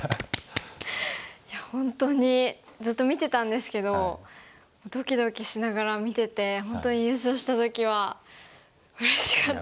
いや本当にずっと見てたんですけどドキドキしながら見てて本当に優勝した時はうれしかったですね。